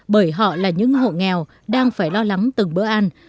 bởi họ là những hộ nghèo đang phải lo lắng từng bữa ăn